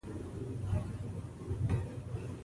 د ویښتو د غوړ لپاره د څه شي اوبه وکاروم؟